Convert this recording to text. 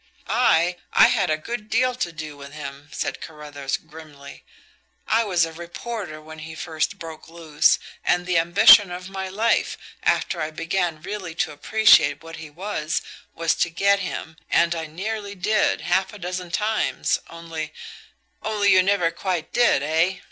"I? I had a good deal to do with him," said Carruthers grimly. "I was a reporter when he first broke loose, and the ambition of my life, after I began really to appreciate what he was, was to get him and I nearly did, half a dozen times, only " "Only you never quite did, eh?"